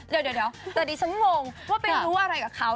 เดี๋ยวดังนี้ฉันงงว่าเป็นรู้อะไรกับเค้า